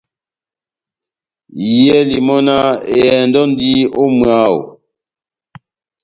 Iyɛli mɔ́náh :« ehɛndɔ endi ó mwáho. »